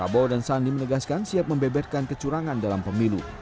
rabau dan sani menegaskan siap membebetkan kecurangan dalam pemilu